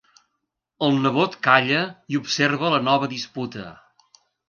El nebot calla i observa la nova disputa.